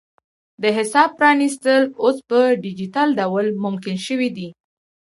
د حساب پرانیستل اوس په ډیجیټل ډول ممکن شوي دي.